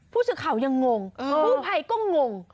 ผู้สื่อข่าวยังงงกู้ภัยก็งง